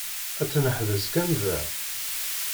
Ad tt-neḥbes kan da?